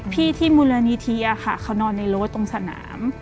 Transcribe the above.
พี่ที่มุรณิธิเขานอนในรถตรงสนาม